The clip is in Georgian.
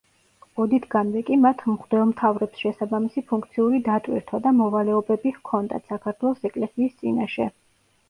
ოდითგანვე კი მათ მღვდელმთავრებს შესაბამისი ფუნქციური დატვირთვა და მოვალეობები ჰქონდათ საქართველოს ეკლესიის წინაშე.